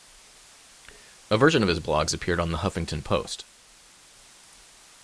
A version of his blogs appeared on "The Huffington Post".